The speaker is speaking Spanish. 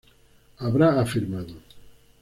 habrá afirmado